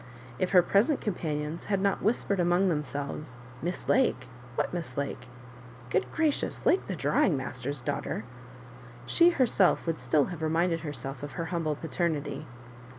If her present companions had not whis pered among themselves, " Miss Lake 1 what Miss Lake? Good gracious I Lake the drawing master's daughter 1" she herself would still have reminded herself of her humble paternity.